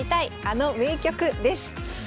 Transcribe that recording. あの名局」です。